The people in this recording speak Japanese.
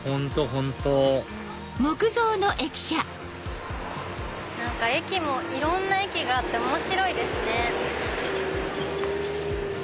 本当何か駅もいろんな駅があって面白いですね。